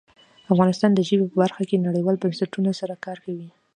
افغانستان د ژبې په برخه کې نړیوالو بنسټونو سره کار کوي.